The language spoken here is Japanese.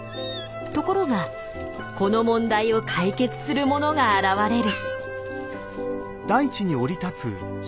ところがこの問題を解決するものが現れる。